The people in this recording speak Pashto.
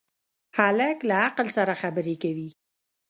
هلک له عقل سره خبرې کوي.